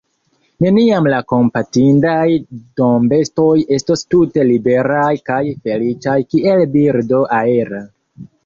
Neniam la kompatindaj dombestoj estos tute liberaj kaj feliĉaj kiel birdo aera.